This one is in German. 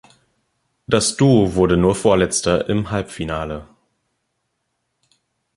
Das Duo wurde nur Vorletzter im Halbfinale.